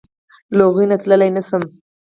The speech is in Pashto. له هغوی نه تللی نشې.